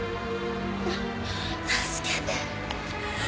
助けて。